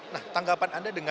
nah tanggapan anda dengan